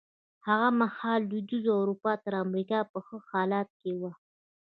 هغه مهال لوېدیځه اروپا تر امریکا په ښه حالت کې وه.